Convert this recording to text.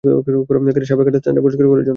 সাপে কাটা স্থানটা পরিষ্কার করার জন্য।